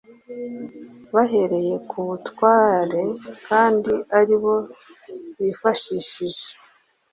bahereye ku batware kandi ari bo bifashishije